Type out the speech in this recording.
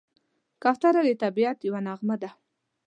کوتره د طبیعت یوه نغمه ده.